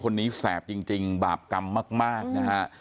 แสบจริงบาปกรรมมากนะฮะ